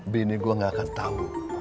bini gue gak akan tahu